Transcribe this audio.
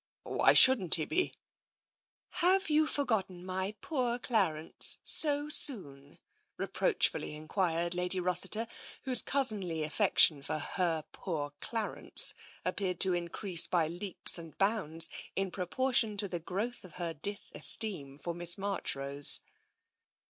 " Why shouldn't he be ?"" Have you forgotten my poor Clarence so soon? " reproachfully enquired Lady Rossiter, whose cousinly affection for her poor Clarence appeared to increase by leaps and bounds in proportion to the growth of her disesteem for Miss Marchrose.